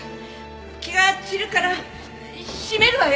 気が散るから閉めるわよ。